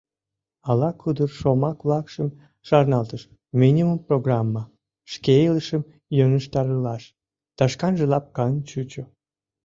Ала кудыр шомак-влакшым шарналтыш: «Минимум-программа», «Шке илышым йӧнештарылаш» — да шканже лапкан чучо.